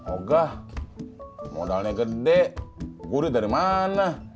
oh gah modalnya gede kurit dari mana